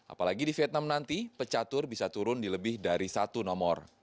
apalagi di vietnam nanti pecatur bisa turun di lebih dari satu nomor